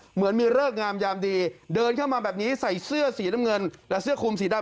เฮ้ยพี่มาทำไม